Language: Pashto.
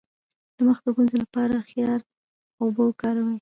د مخ د ګونځو لپاره د خیار اوبه وکاروئ